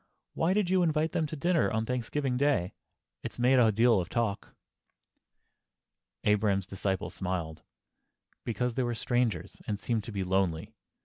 —why did you invite them to dinner on Thanksgiving Day? It's made a deal of talk." Abraham's disciple smiled. "Because they were strangers, and seemed to be lonely.